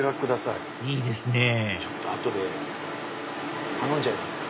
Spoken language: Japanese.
いいですねぇ後で頼んじゃいますか。